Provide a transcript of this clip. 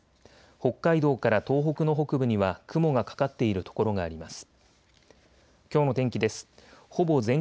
北海道から東北の北部には雲がかかっている所があります。